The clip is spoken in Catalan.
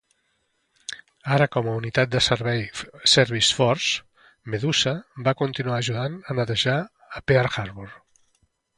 Ara com a unitat del servei Service Force, "Medusa" va continuar ajudant a netejar a Pearl-Harbor.